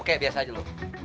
oke biasa aja lu